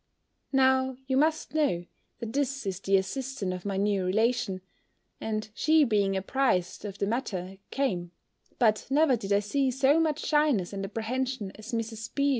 Now, you must know, that this is the assistant of my new relation; and she being apprised of the matter, came; but never did I see so much shyness and apprehension as Mrs. B.